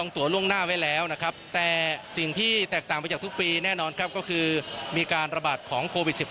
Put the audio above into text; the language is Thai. แต่สิ่งที่แตกต่างไปจากทุกปีแน่นอนครับก็คือมีการระบาดของโควิด๑๙